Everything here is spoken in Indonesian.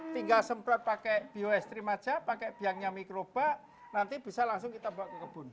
tinggal semprot pakai bioestrim aja pakai biangnya mikrobak nanti bisa langsung kita bawa ke kebun